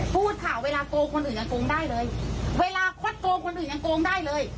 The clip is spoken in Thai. พูดค่ะเวลาโกงคนอื่นยังโกงได้เลยเวลาควักโกงคนอื่นยังโกงได้เลย